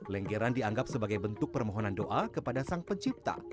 lenggeran dianggap sebagai bentuk permohonan doa kepada sang pencipta